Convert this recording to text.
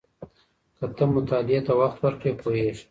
که ته مطالعې ته وخت ورکړې پوهېږې.